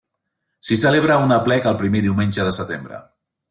S'hi celebra un aplec el primer diumenge de setembre.